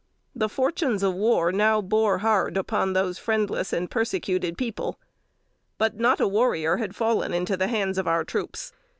The fortunes of war now bore hard upon those friendless and persecuted people; but not a warrior had fallen into the hands of our troops.